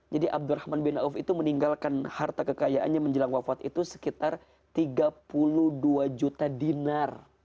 jadi abdurrahman bin auf itu meninggalkan harta kekayaannya menjelang wafat itu sekitar tiga puluh dua juta dinar